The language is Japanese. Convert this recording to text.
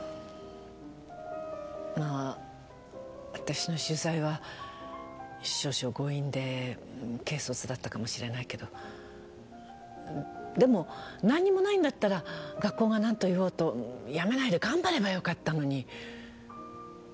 まぁあたしの取材は少々強引で軽率だったかもしれないけどでも何もないんだったら学校が何と言おうと辞めないで頑張ればよかったのに！